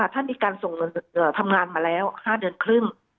ท่านมีการส่งเงินทำงานมาแล้ว๕เดือนครึ่ง